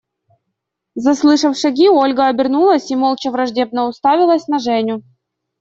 Заслышав шаги, Ольга обернулась и молча враждебно уставилась на Женю.